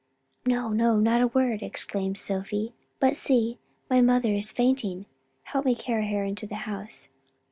"No, no, not a word," exclaimed Sophie, "but see, my mother is fainting. Help me to carry her into the house."